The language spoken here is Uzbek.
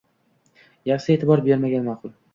Yaxshisi, e`tibor bermagan ma`qul